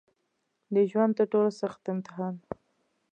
د ژوند تر ټولو سخت امتحان